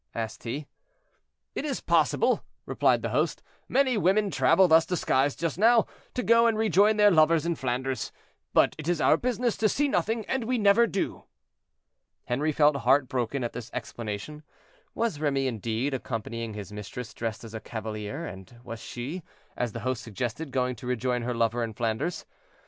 asked he. "It is possible," replied the host: "many women travel thus disguised just now, to go and rejoin their lovers in Flanders; but it is our business to see nothing, and we never do." Henri felt heart broken at this explanation. Was Remy, indeed, accompanying his mistress dressed as a cavalier; and was she, as the host suggested, going to rejoin her lover in Flanders?